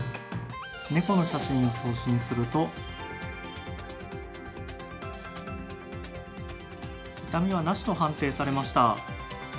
猫の写真を送信すると痛みはなしと判定されました。